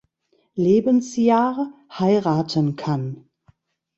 Lebensjahr heiraten kann.